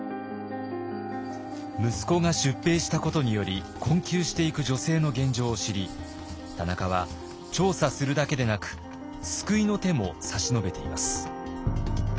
息子が出兵したことにより困窮していく女性の現状を知り田中は調査するだけでなく救いの手も差し伸べています。